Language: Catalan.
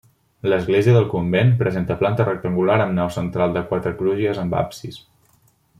L'església del convent presenta planta rectangular, amb nau central de quatre crugies amb absis.